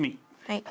はい。